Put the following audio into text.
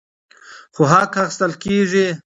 خو حق اخیستل کیږي.